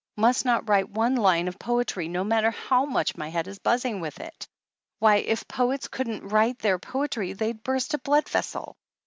Must not write one line of poetry, no matter how much my head is buzzing with it ! Why, if poets couldn't write their poetry they'd burst a blood vessel!